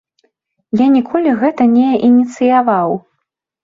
Я ніколі гэта не ініцыяваў.